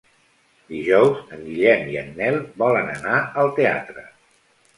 Dijous en Guillem i en Nel volen anar al teatre.